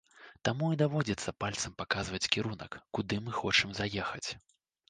Таму і даводзіцца пальцам паказваць кірунак, куды мы хочам заехаць.